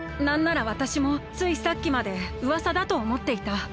なんならわたしもついさっきまでうわさだとおもっていた。